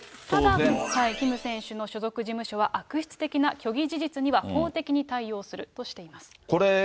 キム選手の所属事務所は、悪質的な虚偽事実には法的に対応するとしています。